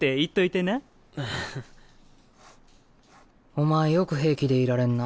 お前よく平気でいられんな。